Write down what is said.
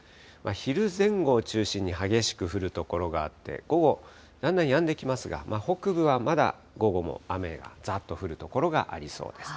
昼前後を中心に激しく降る所があって、午後、だんだんやんできますが、北部はまだ午後も雨がざっと降る所がありそうです。